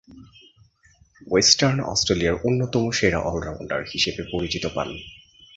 Western অস্ট্রেলিয়ার অন্যতম সেরা অল-রাউন্ডার হিসেবে পরিচিতি পান।